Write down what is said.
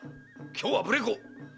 今日は無礼講。